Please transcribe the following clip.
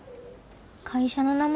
会社の名前？